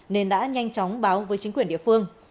nên đã nhanh chóng báo với chính quyền địa phương